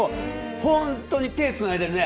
本当に手つないでるね。